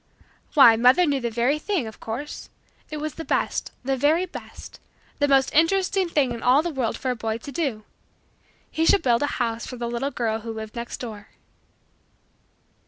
Why mother knew the very thing of course. It was the best the very best the most interesting thing in all the world for a boy to do. He should build a house for the little girl who lived next door.